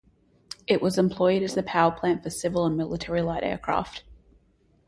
It was employed as the powerplant for civil and military light aircraft.